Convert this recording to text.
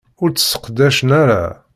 Ur tt-sseqdacen ara.